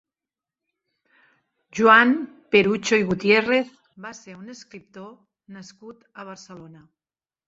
Joan Perucho i Gutiérrez va ser un escriptor nascut a Barcelona.